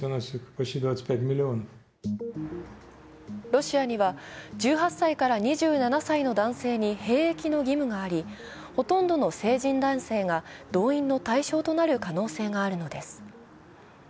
ロシアには１８歳から２７歳の男性に兵役の義務がありほとんどの成人男性が動員の対象となる可能性があるのです。